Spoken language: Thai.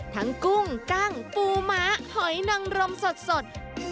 ทั้งกุ้งกล้างปูม้าหอยนังรมสด